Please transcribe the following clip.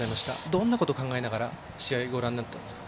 どんなことを考えながらご覧になったんですか。